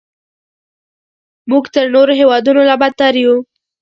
موږ تر نورو هیوادونو لا بدتر یو.